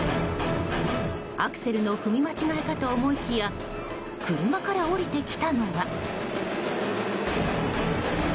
アクセルの踏み間違えかと思いきや車から降りてきたのは。